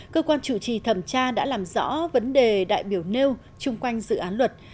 cơ quan chủ trì thẩm tra đã làm rõ vấn đề đại biểu nêu chung quanh dự án luật